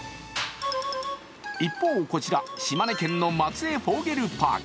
一方こちら、島根県の松江フォーゲルパーク。